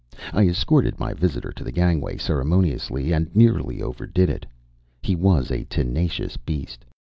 I escorted my visitor to the gangway ceremoniously, and nearly overdid it. He was a tenacious beast.